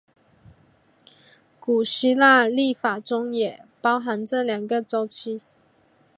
古希腊历法中也包含这两个周期。